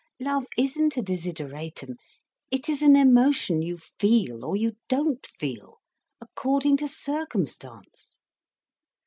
Love isn't a desideratum—it is an emotion you feel or you don't feel, according to circumstance."